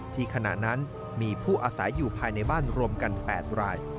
ขณะนั้นมีผู้อาศัยอยู่ภายในบ้านรวมกัน๘ราย